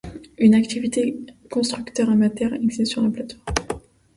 Une activité constructeur amateur existe sur la plate-forme.